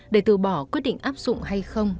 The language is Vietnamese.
để từ bỏ quyết định áp dụng hay không